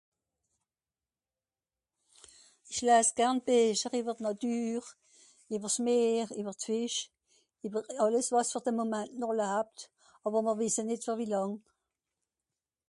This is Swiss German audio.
ìsch laas garn Becher ìwer d'natür ìwer s'meer ìwer d'fìsch ìwer àlles wàs ver de momant nòr labt àwer mr wìsse nìt ver wie làng